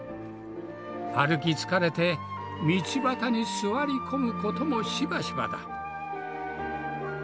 歩き疲れて道端に座り込むこともしばしばだ。